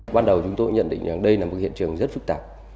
ban đầu chúng tôi nhận định rằng đây là một hiện trường rất phức tạp